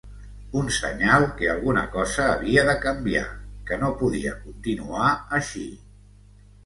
Un senyal que alguna cosa havia de canviar, que no podia continuar així.